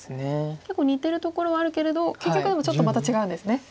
結構似てるところはあるけれど結局でもちょっとまた違うんですね。